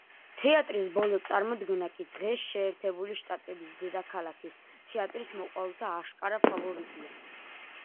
თეატრის ბოლო წარმოდგენა კი დღეს შეერთებული შტატების დედაქალაქის თეატრის მოყვარულთა აშკარა ფავორიტია.